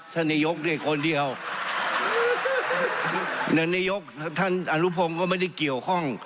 ฉันในยกเนี่ยคนเดียวในยกท่านอรุพงศ์ก็ไม่ได้เกี่ยวข้อง